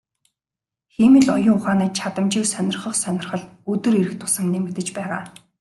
Хиймэл оюун ухааны чадамжийг сонирхох сонирхол өдөр ирэх тусам нэмэгдэж байгаа.